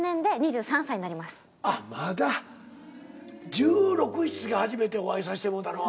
１６１７か初めてお会いさしてもうたのが。